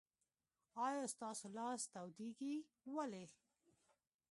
آیا ستاسو لاس تودیږي؟ ولې؟